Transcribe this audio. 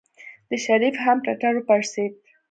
د شريف هم ټټر وپړسېد.